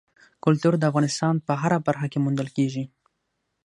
کلتور د افغانستان په هره برخه کې موندل کېږي.